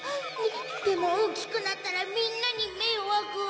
でもおおきくなったらみんなにめいわくを